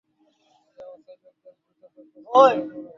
এ অবস্থায় লোকজন ভীত-সন্ত্রস্ত হয়ে পড়ে।